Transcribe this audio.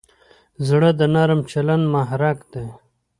زړه د نرم چلند محرک دی.